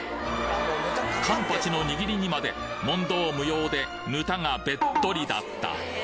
カンパチの握りにまで問答無用でぬたがべっとりだった